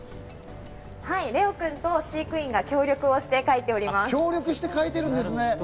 はい、レオくんと飼育員が協力をして書いております。